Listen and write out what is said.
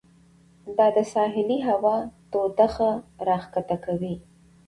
دا د ساحلي هوا تودوخه راښکته کوي.